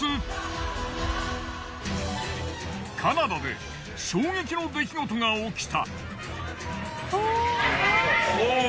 カナダで衝撃の出来事が起きた。